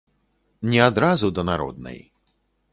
Не адразу да народнай.